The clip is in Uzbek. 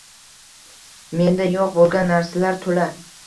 Menda yo'q bo'lgan narsalar to'la